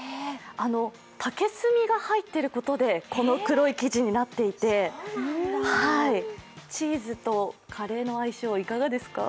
竹炭が入っていることでこの黒い生地となっていてチーズとカレーの相性、いかがですか？